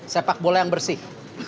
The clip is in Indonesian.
sepak bola yang bersih